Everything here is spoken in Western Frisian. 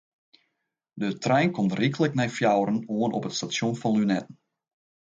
De trein komt ryklik nei fjouweren oan op it stasjon fan Lunetten.